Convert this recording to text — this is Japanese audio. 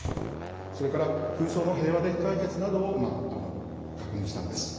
それから紛争の平和的解決などを確認したんです。